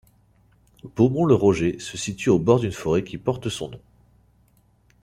Beaumont-le-Roger se situe au bord d'une forêt qui porte son nom.